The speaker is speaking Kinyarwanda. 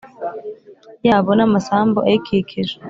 Yabo n amasambu ayikikije